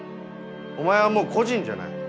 お前はもう個人じゃない。